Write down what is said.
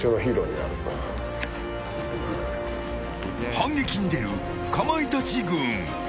反撃に出るかまいたち軍。